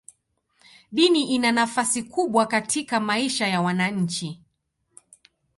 Dini ina nafasi kubwa katika maisha ya wananchi.